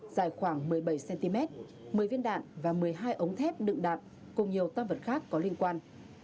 dài khoảng một mươi bảy cm một mươi viên đạn và một mươi hai ống thép đựng đạn cùng nhiều tam vật khác có liên quan